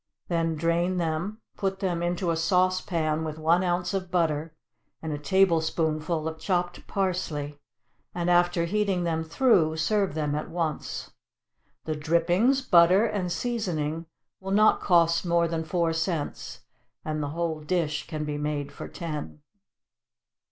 Then drain them, put them into a sauce pan with one ounce of butter and a tablespoonful of chopped parsley, and after heating them through, serve them at once. The drippings, butter, and seasoning, will not cost more than four cents, and the whole dish can be made for ten.